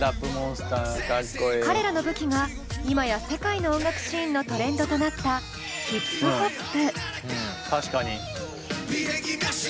彼らの武器が今や世界の音楽シーンのトレンドとなったヒップホップ。